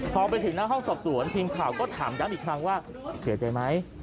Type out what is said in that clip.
พอไปถึงหน้าห้องสอบสวนทีมข่าวก็ถามย้ำอีกครั้งว่าเสียใจไหม